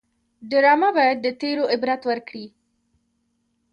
ډرامه باید د تېرو عبرت ورکړي